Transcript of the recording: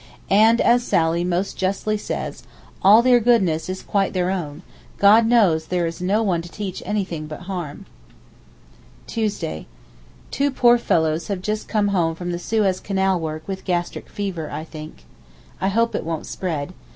And as Sally most justly says, 'All their goodness is quite their own. God knows there is no one to teach anything but harm!' Tuesday.—Two poor fellows have just come home from the Suez Canal work with gastric fever, I think. I hope it won't spread.